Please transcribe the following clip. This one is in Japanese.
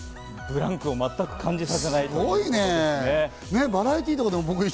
ブランクを全く感じさせない。